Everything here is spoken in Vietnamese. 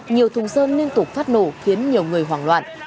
nhiều thùng sơn liên tục phát nổ khiến nhiều người hoảng loạn